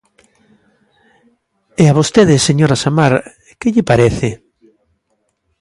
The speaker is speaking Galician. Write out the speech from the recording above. E a vostede, señora Samar, ¿que lle parece?